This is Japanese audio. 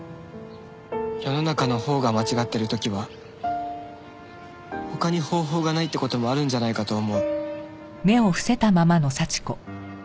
世の中のほうが間違ってる時は他に方法がないって事もあるんじゃないかと思う。